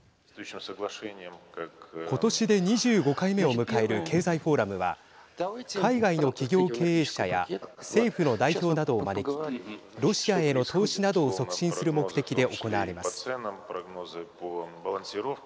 ことしで２５回目を迎える経済フォーラムは海外の企業経営者や政府の代表などを招きロシアへの投資などを促進する目的で行われます。